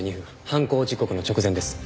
犯行時刻の直前です。